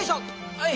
はい！